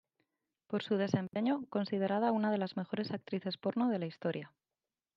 Por su desempeño considerada una de las Mejores actrices porno de la historia.